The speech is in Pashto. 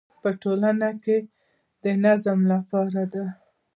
دا په ټولنه کې د نظم لپاره دی.